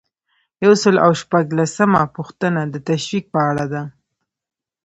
یو سل او شپږلسمه پوښتنه د تشویق په اړه ده.